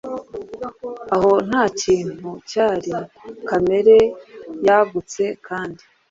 Aho ntakintu cyari: Kamere yagutse Kandi